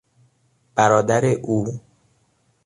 برادر او